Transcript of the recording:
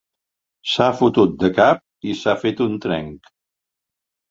S'ha fotut de cap i s'ha fet un trenc.